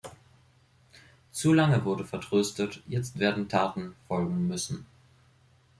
Zu lange wurde vertröstet, jetzt werden Taten folgen müssen.